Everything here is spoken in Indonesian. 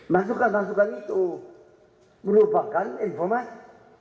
masukan masukan itu merupakan informasi